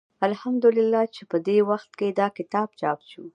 الحمد لله چې په دې وخت کې دا کتاب چاپ شو.